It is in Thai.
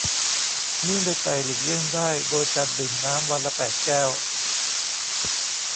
นิ่วในไตหลีกเลี่ยงได้โดยการดื่มน้ำวันละแปดแก้ว